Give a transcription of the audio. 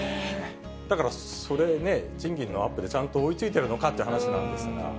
だからそれね、賃金のアップでちゃんと追いついてるのかっていう話なんですが。